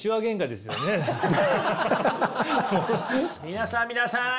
皆さん皆さん！